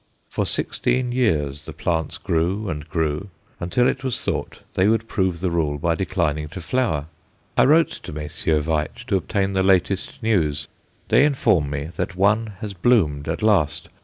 For sixteen years the plants grew and grew until it was thought they would prove the rule by declining to flower. I wrote to Messrs. Veitch to obtain the latest news. They inform me that one has bloomed at last.